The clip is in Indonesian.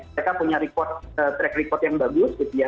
mereka punya track record yang bagus gitu ya